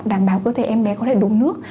đảm bảo cơ thể em bé có thể đủ nước